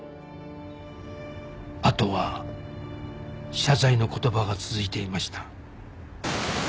あとは謝罪の言葉が続いていました